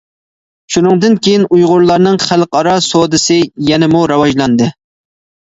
شۇنىڭدىن كېيىن ئۇيغۇرلارنىڭ خەلقئارا سودىسى يەنىمۇ راۋاجلاندى.